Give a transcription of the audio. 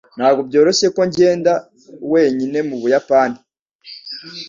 Ntabwo byoroshye ko ngenda wenyine mu Buyapani.